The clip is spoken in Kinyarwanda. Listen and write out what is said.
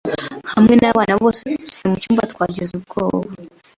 hamwe nabana bose mucyumba twagize ubwoba.